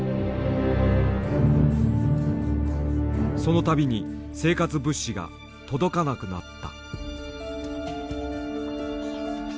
その度に生活物資が届かなくなった。